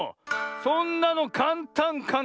そんなのかんたんかんたん。